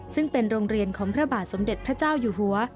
ซึ่งเป็นโรงเรียนของพระบาทสมเด็จพระเจ้าอยู่หัว